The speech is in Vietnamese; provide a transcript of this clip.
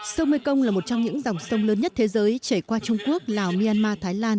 sông mê công là một trong những dòng sông lớn nhất thế giới trải qua trung quốc lào myanmar thái lan